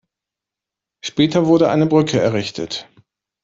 Später wurde eine Brücke errichtet.